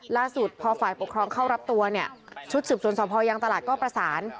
ล่าสุดพอฝ่ายปกครองเข้ารับตัวเนี่ยชุดสืบสวนสพยางตลาดก็ประสาน